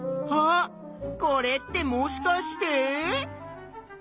これってもしかして？